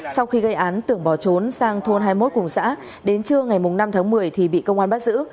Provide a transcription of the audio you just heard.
sau khi gây án tưởng bỏ trốn sang thôn hai mươi một cùng xã đến trưa ngày năm tháng một mươi thì bị công an bắt giữ